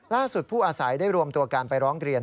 ล่าสุดผู้อาศัยได้รวมตัวการไปร้องเกลียน